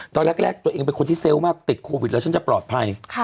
ตอนแรกตัวเองเป็นคนที่เซลล์มากติดโควิดแล้วฉันจะปลอดภัย